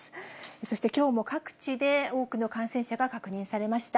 そしてきょうも各地で多くの感染者が確認されました。